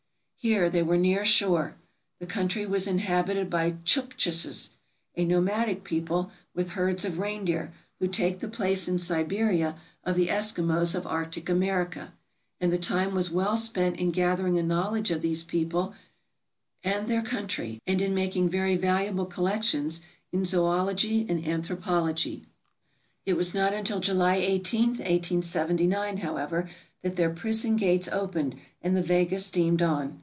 Here they were near shore, the country was inhabited by Tchuktches — a nomadic people, with herds of reindeer, who take the place in Siberia of the Eskimos of arctic America; and the time was well spent in gathering a knowledge of these people and their country, and in making very valuable collections in zoology and anthropology. It was not until July 18, 1879, however, that their prison gates opened, and the "Vega" steamed on.